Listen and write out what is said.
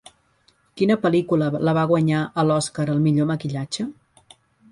Quina pel·lícula la va guanyar a l'Oscar al millor maquillatge?